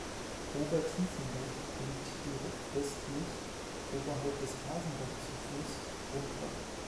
Obertiefenbach liegt direkt westlich, oberhalb des Hasenbach-Zufluss Grundbach.